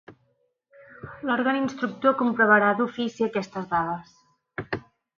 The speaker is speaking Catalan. L'òrgan instructor comprovarà d'ofici aquestes dades.